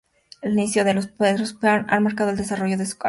Los inicios de Luis Pardo han marcado el desarrollo de su carrera.